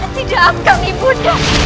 tidak akan ibu nda